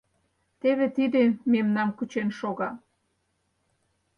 — Теве тиде мемнам кучен шога.